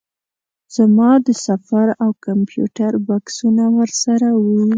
زما د سفر او کمپیوټر بکسونه ورسره وو.